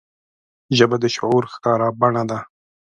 ژبه د شعور ښکاره بڼه ده